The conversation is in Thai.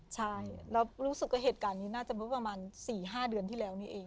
ใช่แล้วรู้สึกว่าเหตุการณ์นี้น่าจะเมื่อประมาณ๔๕เดือนที่แล้วนี่เอง